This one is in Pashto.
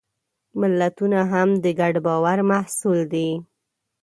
ملتونه هم د ګډ باور محصول دي.